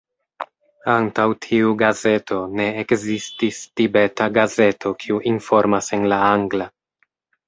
Antaŭ tiu gazeto, ne ekzistis Tibeta gazeto kiu informas en la angla.